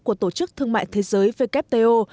của tổ chức thương mại thế giới wto